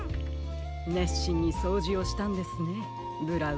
ねっしんにそうじをしたんですねブラウン。